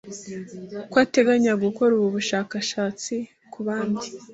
ko ateganya gukorera ubu bushakashatsi ku bandi